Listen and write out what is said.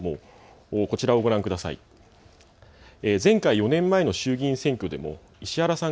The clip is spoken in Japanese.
こちらをご覧ください。